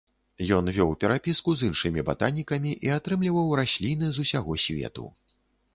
Ён вёў перапіску з іншымі батанікамі і атрымліваў расліны з усяго свету.